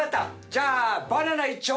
じゃあバナナ一丁。